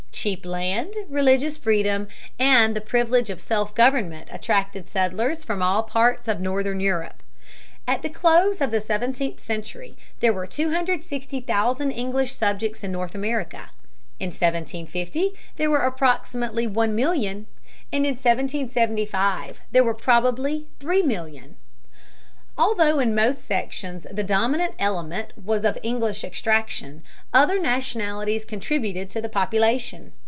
Cheap land, religious freedom, and the privilege of self government attracted settlers from all parts of northern Europe. At the close of the seventeenth century there were 260,000 English subjects in North America; in 1750 there were approximately 1,000,000; and in 1775 there were probably 3,000,000. Although in most sections the dominant element was of English extraction, other nationalities contributed to the population.